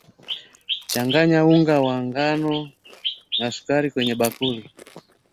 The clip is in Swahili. changanya unga wa ngano na sukari kwenye bakuli